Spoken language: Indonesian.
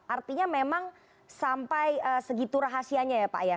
artinya memang sampai segitu rahasianya ya pak ya